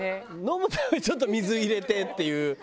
飲むたびちょっと水入れてっていう。